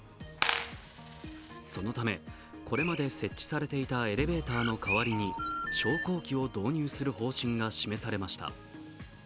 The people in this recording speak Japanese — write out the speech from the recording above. そのため、これまで設置されていたエレベーターの代わりに昇降機を導入する方針が示されました。